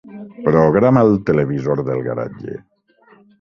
Programa el televisor del garatge.